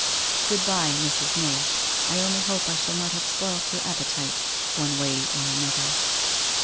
'Good bye, Mrs. May, I only hope I shall not have spoilt your appetite, one way and another?